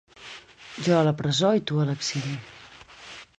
Jo a la presó i tu a l’exili.